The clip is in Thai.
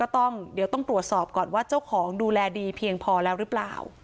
ต้องตรวจสอบก่อนว่าเจ้าของดูแลดีเพียงพอหรือเปล่า